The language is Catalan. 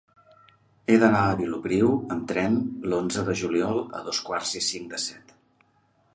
He d'anar a Vilopriu amb tren l'onze de juliol a dos quarts i cinc de set.